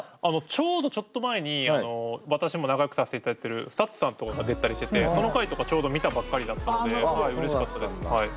ちょうどちょっと前に私も仲よくさせていただいてるＳＴＵＴＳさんとかが出てたりしててその回とかちょうど見たばっかりだったのでうれしかったですはい。